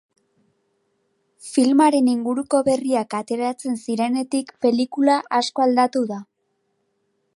Filmaren inguruko berriak ateratzen zirenetik pelikula asko aldatu da.